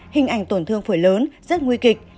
hình ảnh tổn thương phổi lớn rất nguy kịch